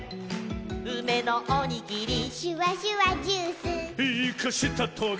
「うめのおにぎり」「シュワシュワジュース」「イカしたトゲ」